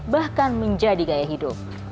bahkan menjadi gaya hidup